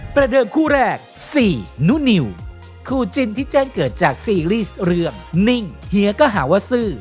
ประเดิมคู่แรก๔นุนิวคู่จินที่แจ้งเกิดจากซีรีส์เรื่องนิ่งเฮียก็หาว่าซื่อ